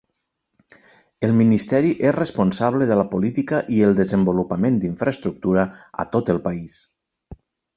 El Ministeri és responsable de la política i el desenvolupament d'infraestructura a tot el país.